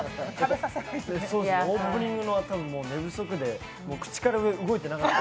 オープニングは寝不足で、口から上が動いてなかった。